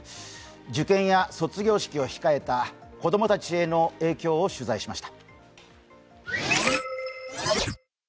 受験や卒業式を控えた子供たちへの影響を取材しました。